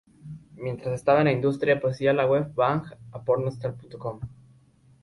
Mientras estaba en la industria, poseía la web Bang-A-Pornstar.com.